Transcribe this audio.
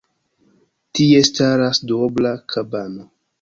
Tie staras duobla kabano.